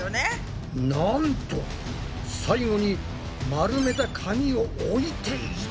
なんと最後に丸めた紙を置いていた！